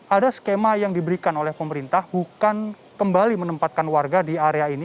ada skema yang diberikan oleh pemerintah bukan kembali menempatkan warga di area ini